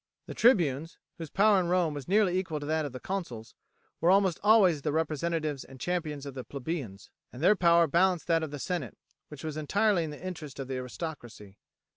The tribunes, whose power in Rome was nearly equal to that of the consuls, were almost always the representatives and champions of the plebeians, and their power balanced that of the senate, which was entirely in the interests of the aristocracy.